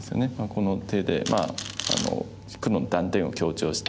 この手で黒の断点を強調して。